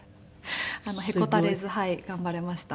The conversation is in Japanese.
へこたれず頑張れました。